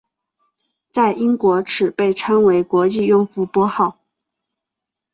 在英国此被称为国际用户拨号。